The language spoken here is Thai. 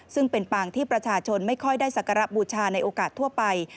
ซึ่งเป็นปางที่ประชาชนไม่ค่อยได้สักการะบูชาในโอกาสทั่วไป